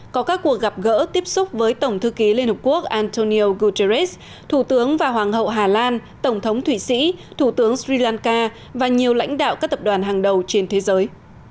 có các cuộc gặp gỡ tiếp xúc với tổng thư ký liên hợp quốc antonio guterres thủ tướng và hoàng hậu hà lan tổng thống thụy sĩ thủ tướng sri lanka và nhiều lãnh đạo các tập đoàn hàng đầu trên thế giới